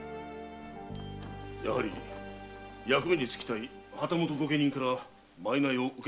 やはり役目につきたい旗本御家人から賂を受け取っているのか。